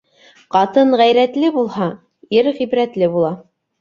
Ҡатын ғәйрәтле булһа, ир ғибрәтле була.